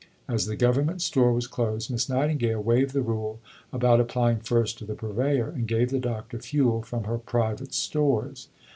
As the Government store was closed, Miss Nightingale waived the rule about applying first to the Purveyor, and gave the doctor fuel from her private stores.